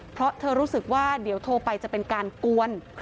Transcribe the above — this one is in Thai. เพราะเธอรู้สึกว่าเดี๋ยวโทรไปจะเป็นการกวน